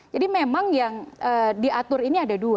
jadi memang yang diatur ini ada dua